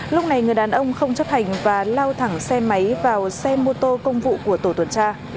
lúc này người đàn ông không chấp hành và lao thẳng xe máy vào xe mô tô công vụ của tổ tuần tra